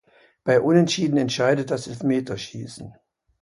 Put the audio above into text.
Bei Unentschieden entscheidet das Elfmeterschießen.